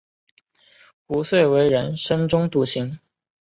壶遂为人深中笃行。